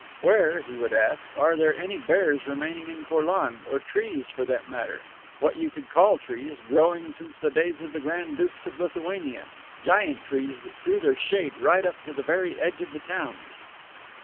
'Where, he would ask, are there any bears remaining in Courlande, or trees for that matter, what you could call trees, growing since the days of the grand dukes of Lithuania, giant trees that threw their shade right up to the very edge of the towns?